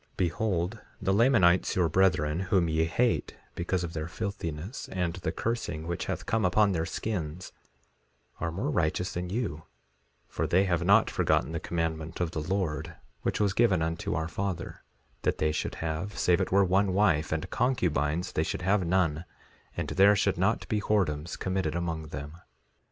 3:5 Behold, the Lamanites your brethren, whom ye hate because of their filthiness and the cursing which hath come upon their skins, are more righteous than you; for they have not forgotten the commandment of the Lord, which was given unto our father—that they should have save it were one wife, and concubines they should have none, and there should not be whoredoms committed among them.